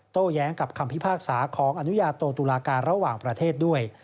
แย้งกับคำพิพากษาของอนุญาโตตุลาการระหว่างประเทศด้วย